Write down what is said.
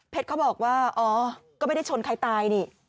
เขาบอกว่าอ๋อก็ไม่ได้ชนใครตายนี่